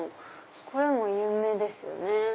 これも有名ですよね。